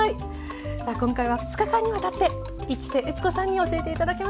さあ今回は２日間にわたって市瀬悦子さんに教えて頂きました。